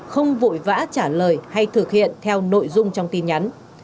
không vội vã trả lời hay thực hiện theo nội dung trong tin nhắn